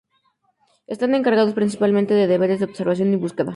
Están encargados principalmente de deberes de observación y búsqueda.